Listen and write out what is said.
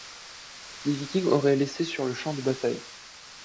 Les Vikings auraient laissé sur le champ de bataille.